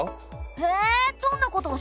へぇどんなことをしてたの？